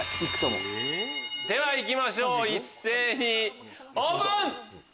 ではいきましょう一斉にオープン！